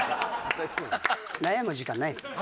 悩む時間ないですね。